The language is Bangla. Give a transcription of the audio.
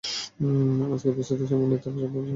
আজকের উপস্থিত সম্মানিত সুধীজন কী হলো?